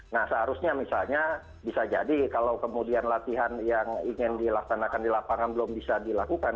nah seharusnya misalnya bisa jadi kalau kemudian latihan yang ingin dilaksanakan di lapangan belum bisa dilakukan